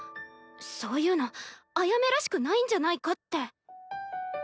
そういうのアヤメらしくないんじゃないかって。